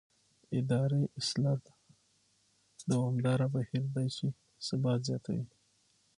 اداري اصلاح دوامداره بهیر دی چې ثبات زیاتوي